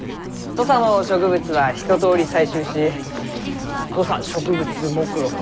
土佐の植物は一とおり採集し土佐植物目録を作り上げました。